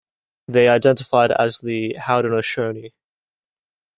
They identified as the Haudenosaunee.